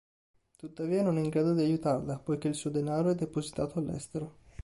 Tuttavia non è in grado di aiutarla, poiché il suo denaro è depositato all'estero.